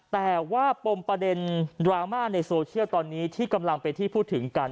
แต่ว่าปมประเด็นดราม่าในโซเชียลตอนนี้ที่กำลังเป็นที่พูดถึงกัน